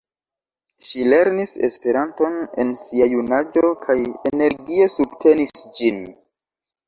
Ŝi lernis Esperanton en sia junaĝo kaj energie subtenis ĝin.